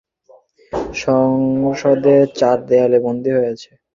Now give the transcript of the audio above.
কিন্তু গণতন্ত্র অনেক আগেই জাতীয় সংসদের চার দেয়ালে বন্দী হয়ে আছে।